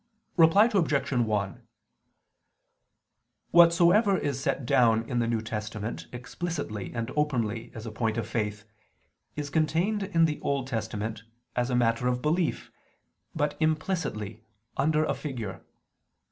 Reply Obj. 1: Whatsoever is set down in the New Testament explicitly and openly as a point of faith, is contained in the Old Testament as a matter of belief, but implicitly, under a figure.